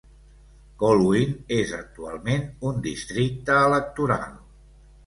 Colwyn és actualment un districte electoral.